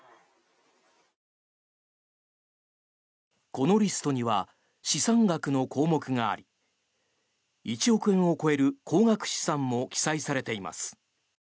このリストには資産額の項目があり１億円を超える高額資産も記載されています。